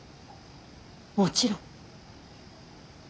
もちろん。